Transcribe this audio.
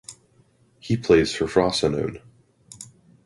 He plays for Frosinone.